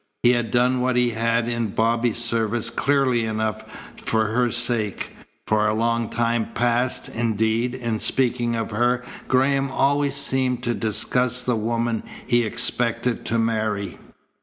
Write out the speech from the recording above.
He had done what he had in Bobby's service clearly enough for her sake. For a long time past, indeed, in speaking of her Graham always seemed to discuss the woman he expected to marry.